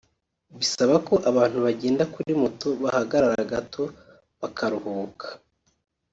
bisaba ko abantu bagenda kuri moto bahagarara gato bakaruhuka